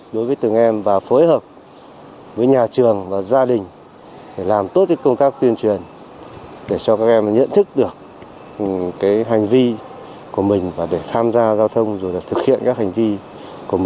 để ảnh hưởng đến người khác